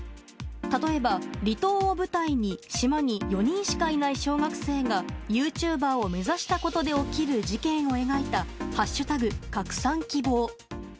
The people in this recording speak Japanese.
例えば、離島を舞台に島に４人しかいない小学生がユーチューバーを目指したことで起きる事件を描いた「＃拡散希望」。